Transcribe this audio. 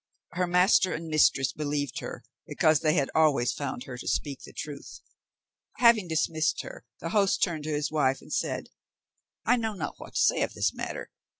Her master and mistress believed her, because they had always found her to speak the truth. Having dismissed her, the host turned to his wife and said, "I know not what to say of the matter.